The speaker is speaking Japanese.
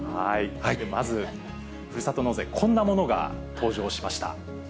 まず、ふるさと納税、こんなものが登場しました。